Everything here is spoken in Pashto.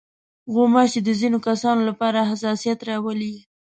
غوماشې د ځينو کسانو لپاره حساسیت راولي.